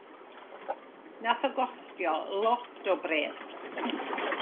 Nath o gostio lot o bres.